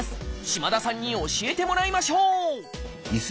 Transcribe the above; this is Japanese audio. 嶋田さんに教えてもらいましょう！